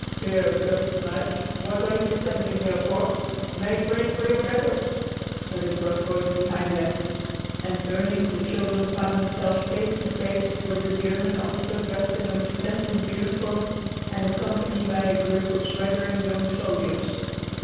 "Here, gutter snipes, what are you standing here for? Make way for your betters!" said a gruff voice behind them, and, turning, the children found themselves face to face with a German officer dressed in a resplendent uniform and accompanied by a group of swaggering young soldiers.